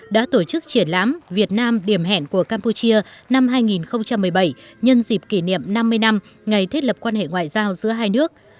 đã tổ chức triển lãm việt nam điểm hẹn của campuchia năm hai nghìn một mươi bảy nhân dịp kỷ niệm năm mươi năm ngày thiết lập quan hệ ngoại giao giữa hai nước